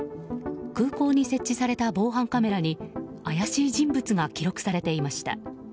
空港に設置された防犯カメラに怪しい人物が記録されていました。